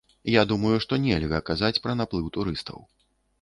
Я думаю, што нельга казаць пра наплыў турыстаў.